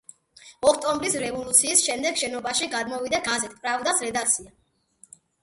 ოქტომბრის რევოლუციის შემდეგ, შენობაში გადმოვიდა გაზეთ „პრავდას“ რედაქცია.